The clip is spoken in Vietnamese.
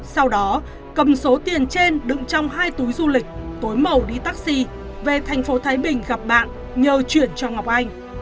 sau đó cầm số tiền trên đựng trong hai túi du lịch tối màu đi taxi về thành phố thái bình gặp bạn nhờ chuyển cho ngọc anh